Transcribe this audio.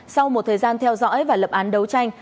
sau một thời gian theo dõi và lập án đấu tranh